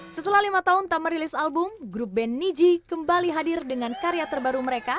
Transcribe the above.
setelah lima tahun tak merilis album grup band niji kembali hadir dengan karya terbaru mereka